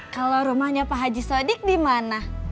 kalau rumahnya pak haji sodik di mana